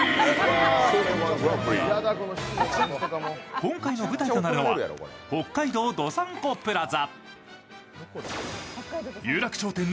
今回の舞台となるのは、北海道どさんこプラザ。